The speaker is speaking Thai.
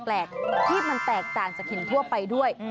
แปลกที่มันแตกต่างจากหินทั่วไปด้วย